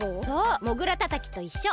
モグラたたきといっしょ！